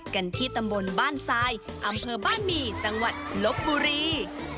กันที่ตำบลบ้านทรายอำเภอบ้านหมี่จังหวัดลบบุรี